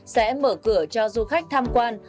sẽ mở cửa cho du khách tham quan